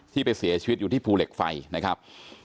ไปเสียชีวิตอยู่ที่ภูเหล็กไฟนะครับ